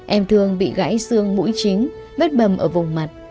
em thường bị gãy xương mũi chính vết bầm ở vùng mặt